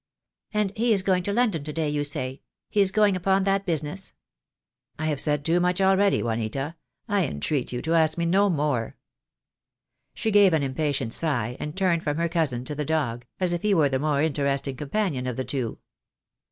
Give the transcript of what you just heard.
"And he is going to London to day, you say — he is going upon that business?" "I have said too much already, Juanita. I entreat you to ask me no more." She gave an impatient sigh, and turned from her cousin to the dog, as if he were the more interesting com panion of the two.